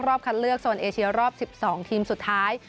คัดเลือกโซนเอเชียรอบ๑๒ทีมสุดท้าย